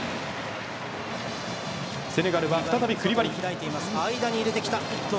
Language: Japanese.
セネガルは再びクリバリ。